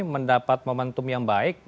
mendapat momentum yang baik